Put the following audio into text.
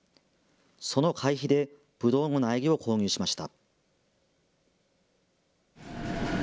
その会費でぶどうの苗木を購入しました。